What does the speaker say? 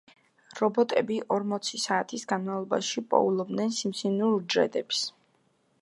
რობოტები ორმოცი საათის განმავლობაში პოულობდნენ სიმსივნურ უჯრედებს.